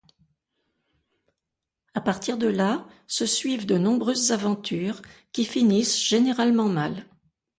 À partir de là, se suivent de nombreuses aventures qui finissent généralement mal.